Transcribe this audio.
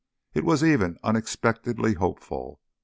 It was even unexpectedly hopeful.